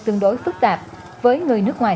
tương đối phức tạp với người nước ngoài